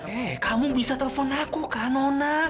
eh kamu bisa telepon aku kak nona